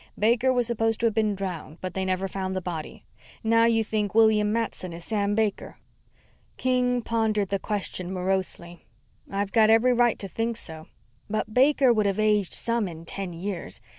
"Baker was supposed to have been drowned, but they never found the body. Now, you think William Matson is Sam Baker?" King pondered the question morosely. "I've got every right to think so. But Baker would have aged some in ten years.